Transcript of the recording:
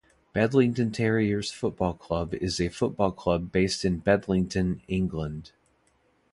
Bedlington Terriers Football Club is a football club based in Bedlington, England.